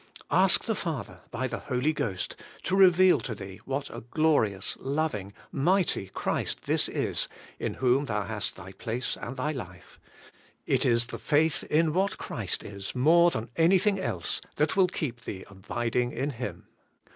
Ask the Father by the Holy Ghost to reveal to thee what a glorious, loving, mighty Christ this is in whom thou hast thy place and thy life; it is the faith in what Christ is^ more than anything else, that will keep thee abiding in Him.